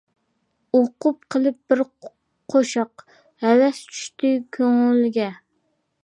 ئوقۇپ قىلىپ بىر قوشاق، ھەۋەس چۈشتى كۆڭۈلگە.